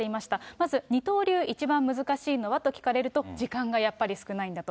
まず二刀流、一番難しいのはと聞かれると、時間がやっぱり少ないんだと。